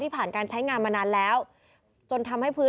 ผ่านการใช้งานมานานแล้วจนทำให้พื้น